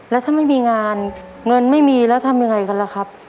แล้วถ้าไม่มีงานเงินไม่มีแล้วทำยังไงกันล่ะครับ